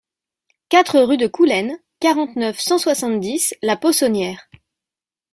quatre rue de Coulaines, quarante-neuf, cent soixante-dix, La Possonnière